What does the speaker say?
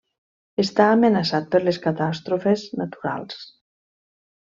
Està amenaçat per les catàstrofes naturals.